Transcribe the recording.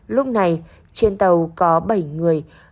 lúc này trên tàu có bảy người